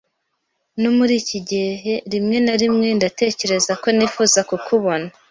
No muri iki gihe, rimwe na rimwe ndatekereza ko nifuza kukubona.